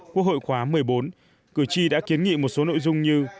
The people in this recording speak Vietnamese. quốc hội khóa một mươi bốn cử tri đã kiến nghị một số nội dung như